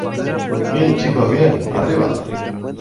¡ bien, chicos, bien! ¡ arriba!